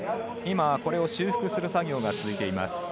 これを修復する作業が続いています。